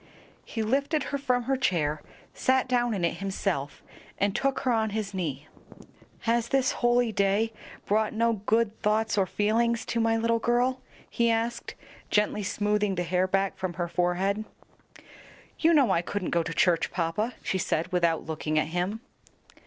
He lifted her from her chair, sat down in it himself, and took her on his knee. "Has this holy day brought no good thoughts or feelings to my little girl?" he asked, gently smoothing the hair back from her forehead. "You know I couldn't go to church, papa," she said, without looking at him.